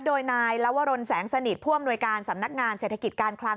โดยนายลวรนแสงสนิทผู้อำนวยการสำนักงานเศรษฐกิจการคลัง